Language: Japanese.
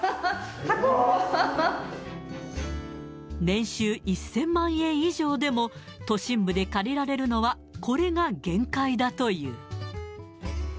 年収１０００万円以上でも、都心部で借りられるのはこれが限界だという。